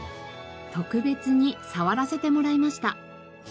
特別に触らせてもらいました。